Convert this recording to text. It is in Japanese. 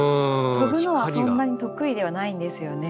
飛ぶのはそんなに得意ではないんですよね。